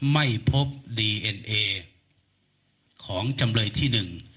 ไม่พบดีเอ็นเอของจำเลยที่หนึ่ง